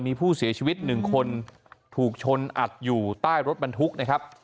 มีผู้เสียชีวิตหนึ่งคนถูกชนอัดอยู่ใต้รถบรรทุกนะครับ